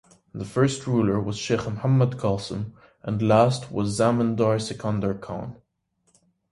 The First ruler was Sheikh Muhammad Qasim and last was Zamindar Sikandar Khan.